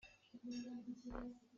Lung kaa pah i ka ril i ka kiu a kok.